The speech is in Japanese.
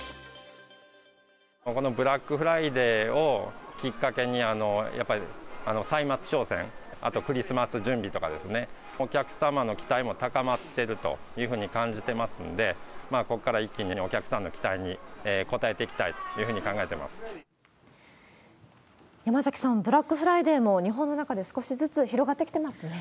このブラックフライデーをきっかけに、やっぱり歳末商戦、あとクリスマス準備とか、お客様の期待も高まってるというふうに感じてますんで、ここから一気にお客さんの期待に応えていきたいというふうに考え山崎さん、ブラックフライデーも日本の中で少しずつ広がってきてますね。